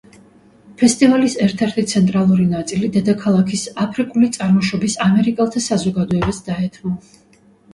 ფესტივალის ერთ-ერთი ცენტრალური ნაწილი დედაქალაქის აფრიკული წარმოშობის ამერიკელთა საზოგადოებას დაეთმო.